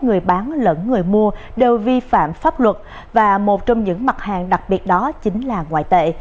người bán lẫn người mua đều vi phạm pháp luật và một trong những mặt hàng đặc biệt đó chính là ngoại tệ